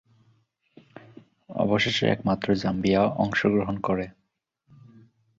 অবশেষে একমাত্র জাম্বিয়া অংশগ্রহণ করে।